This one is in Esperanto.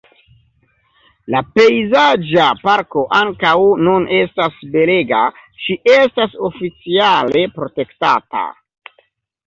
La pejzaĝa parko ankaŭ nun estas belega, ĝi estas oficiale protektata.